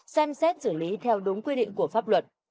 xem xét xử lý theo đúng quy định của pháp luật